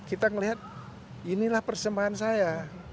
saya lihat inilah persembahan saya